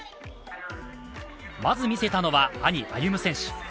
まず見せたのは兄・歩夢選手。